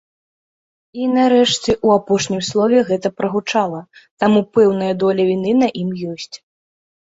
І, нарэшце, у апошнім слове гэта прагучала, таму пэўная доля віны на ім ёсць.